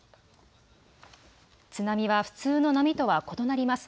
津波は普通の波とは異なります。